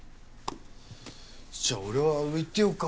じゃあ俺は上行ってようか。